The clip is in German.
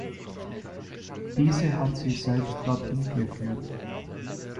Diese hat sie selbst dorthin geführt.